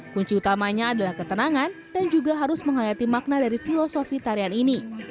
kunci utamanya adalah ketenangan dan juga harus menghayati makna dari filosofi tarian ini